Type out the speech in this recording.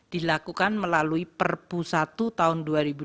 dilakukan melalui perpu satu tahun dua ribu dua puluh